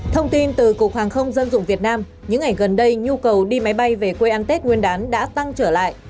thông tin từ cục hàng không dân dụng việt nam những ngày gần đây nhu cầu đi máy bay về quê ăn tết nguyên đán đã tăng trở lại